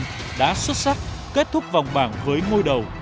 bóng đá xuất sắc kết thúc vòng bảng với ngôi đầu